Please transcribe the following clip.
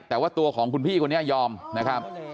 แต่ว่าตัวของคุณพี่คนนี้ยอมนะครับ